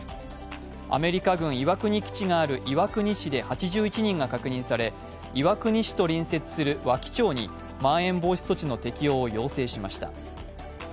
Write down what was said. アメリカ軍・岩国基地がある岩国市で８１人が確認され岩国市と隣接する和木町にまん延防止措置の適用を要請しました。